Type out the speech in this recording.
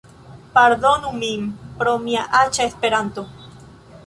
Pardonu min pro mia aĉa Esperanto